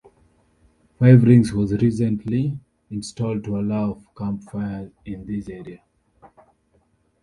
Fire rings were recently installed to allow camp fires in this area.